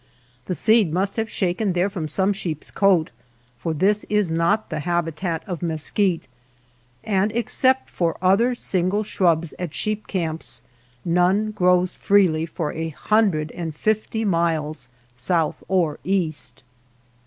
The seed must have shaken there from some sheep's coat, for this is not the habitat of mesquite, and except for other single shrubs at sheep camps, none grows freely for a hundred and fifty miles south or east.